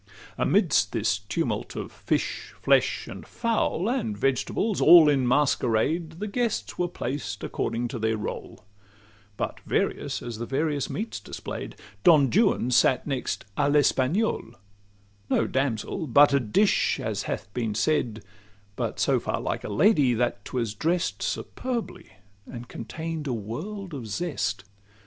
Amidst this tumult of fish, flesh, and 'fowl, And vegetables, all in masquerade, The guests were placed according to their roll, But various as the various meats display'd: Don Juan sat next 'an l'Espagnole' No damsel, but a dish, as hath been said; But so far like a lady, that 'twas drest Superbly, and contain'd a world of zest.